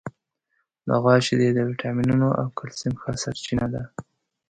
د غوا شیدې د وټامینونو او کلسیم ښه سرچینه ده.